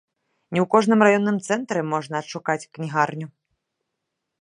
Не ў кожным раённым цэнтры можна адшукаць кнігарню.